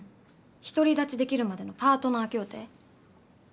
「独り立ちできるまでのパートナー協定」。